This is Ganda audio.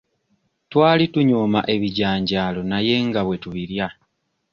Twali tunyooma ebijanjaalo naye nga bwe tubirya.